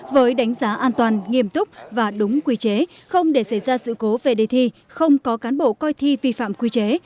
với đánh giá an toàn nghiêm túc và đúng quy chế không để xảy ra sự cố về đề thi không có cán bộ coi thi vi phạm quy chế